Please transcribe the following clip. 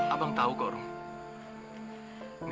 abang tahu kok rung